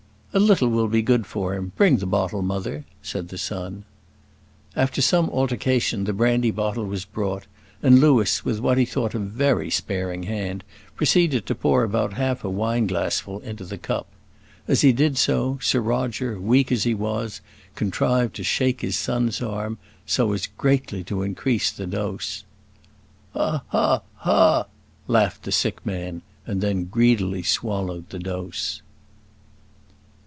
"A little will be good for him; bring the bottle, mother," said the son. After some altercation the brandy bottle was brought, and Louis, with what he thought a very sparing hand, proceeded to pour about half a wine glassful into the cup. As he did so, Sir Roger, weak as he was, contrived to shake his son's arm, so as greatly to increase the dose. "Ha! ha! ha!" laughed the sick man, and then greedily swallowed the dose.